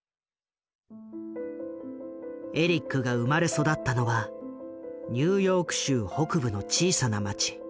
エリックが生まれ育ったのはニューヨーク州北部の小さな町。